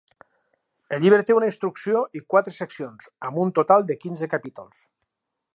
El llibre té una introducció i quatre seccions, amb un total de quinze capítols.